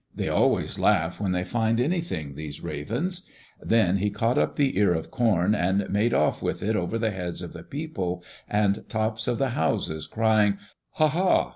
They always laugh when they find anything, these ravens. Then he caught up the ear of corn and made off with it over the heads of the people and the tops of the houses, crying. "Ha! ha!